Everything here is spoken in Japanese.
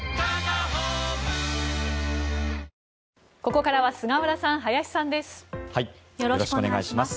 ここからは菅原さん、林さんです。